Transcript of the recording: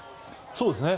そうですね。